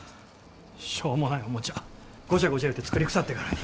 しょうもないおもちゃゴチャゴチャ言うて作りくさってからに。